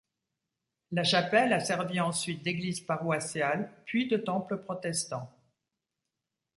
La chapelle a servi ensuite d'église paroissiale, puis de temple protestant.